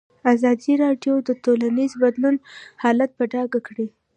ازادي راډیو د ټولنیز بدلون حالت په ډاګه کړی.